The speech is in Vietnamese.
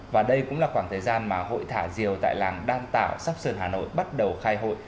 và đây cũng là khoảng thời gian mà hội thả diều tại làng đan tạo sóc sơn hà nội bắt đầu khai hội